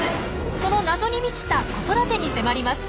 その謎に満ちた子育てに迫ります！